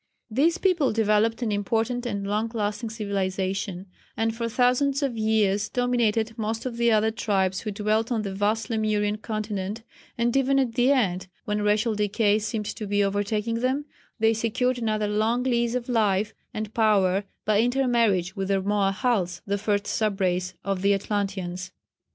These people developed an important and long lasting civilisation, and for thousands of years dominated most of the other tribes who dwelt on the vast Lemurian continent, and even at the end, when racial decay seemed to be overtaking them, they secured another long lease of life and power by inter marriage with the Rmoahals the first sub race of the Atlanteans.